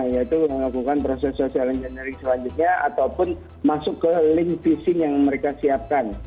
yaitu melakukan proses social engineering selanjutnya ataupun masuk ke link fishing yang mereka siapkan